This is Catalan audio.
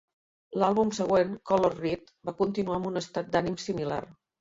L'àlbum següent, Color Rit, va continuar amb un estat d'ànim similar.